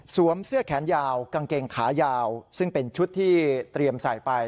เสื้อแขนยาวกางเกงขายาวซึ่งเป็นชุดที่เตรียมใส่ไป